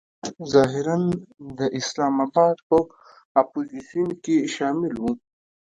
ظاهراً د اسلام آباد په اپوزیسیون کې شامل و.